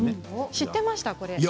知っていました？